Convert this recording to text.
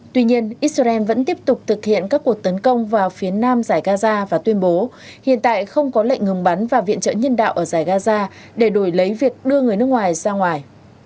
tuy nhiên israel vẫn tiếp tục thực hiện các cuộc tấn công vào phía nam giải gaza và tuyên bố hiện tại không có lệnh ngừng bắn và viện trợ nhân đạo ở giải gaza để đổi lấy việc đưa người nước ngoài ra ngoài